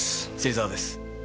芹沢です。